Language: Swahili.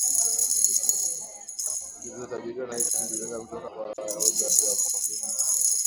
zilizotabiriwa na Yesu zilianza kutoka kwa Wayahudi wasiomuamini na